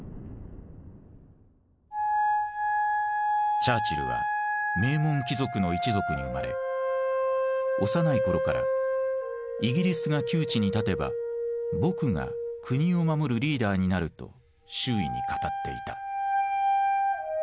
チャーチルは名門貴族の一族に生まれ幼い頃から「イギリスが窮地に立てば僕が国を守るリーダーになる」と周囲に語っていた。